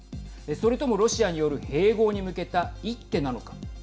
それともロシアによる併合に向けた一手なのか。